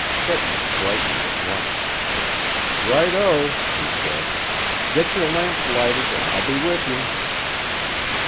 Sedgwick brightened at once. "Right o!" he said. "Get your lamps lighted and I'll be with you."